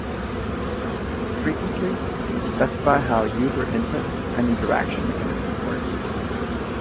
Frequently they specify how user input and interaction mechanisms work.